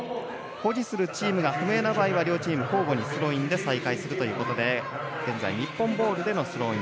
保持するチームが不明な場合は交互にスローインで再開するということで現在、日本ボールでのスローイン。